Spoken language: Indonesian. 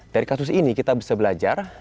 dari kasus ini kita bisa belajar